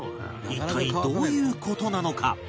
一体どういう事なのか？